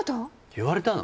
言われたの？